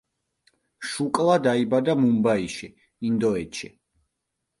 შუკლა დაიბადა მუმბაიში, ინდოეთში.